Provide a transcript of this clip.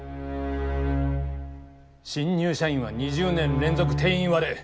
新入社員は２０年連続定員割れ。